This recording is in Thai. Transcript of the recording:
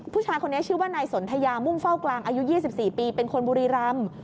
ผู้ชายคนนี้ชื่อว่านายสนทยามุ่งเฝ้ากลางอายุ๒๔ปีเป็นคนบุรีรำ